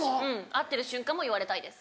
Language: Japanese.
会ってる瞬間も言われたいです。